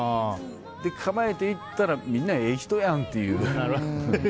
構えて行ったらみんなええ人やんっていう。